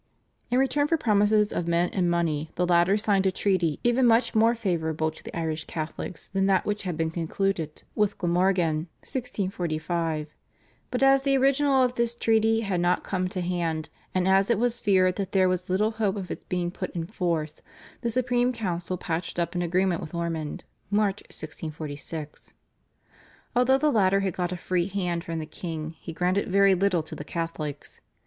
In return for promises of men and money the latter signed a treaty even much more favourable to the Irish Catholics than that which had been concluded with Glamorgan (1645), but as the original of this treaty had not come to hand, and as it was feared that there was little hope of its being put in force, the Supreme Council patched up an agreement with Ormond (March 1646). Although the latter had got a free hand from the king he granted very little to the Catholics.